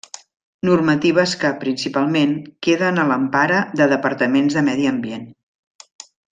Normatives que, principalment, queden a l'empara de departaments de Medi Ambient.